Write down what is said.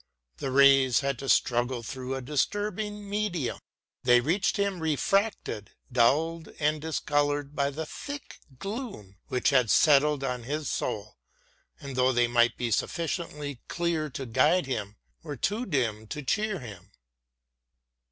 The rays had to struggle through a disturbing medium : they reached him refracted, dulled and discoloured by the thick gloom which had settled on his soul ; and though they might be sufficiently clear to guide him, were too dim to cheer him.